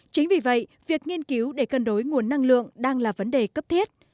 chính vì vậy việc nghiên cứu để cân đối nguồn năng lượng đang là vấn đề cấp thiết